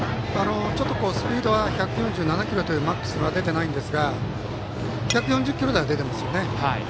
スピードは１４７キロというマックスは出ていないんですが１４０キロ台は出ていますね。